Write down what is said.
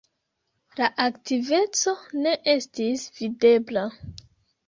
La aktiveco ne estis videbla.